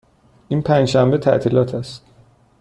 این پنج شنبه تعطیلات است.